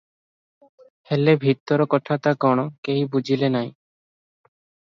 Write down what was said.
ହେଲେ ଭିତର କଥାଟା କଣ, କେହି ବୁଝିଲେ ନାହିଁ ।